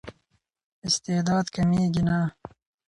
استعداد کمېږي نه.